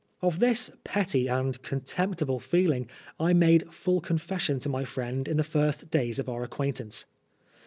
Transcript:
Of this petty and contemptible feeling I made full confession to my friend in the first days of our acquaintance.